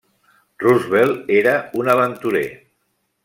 Roosevelt era un aventurer.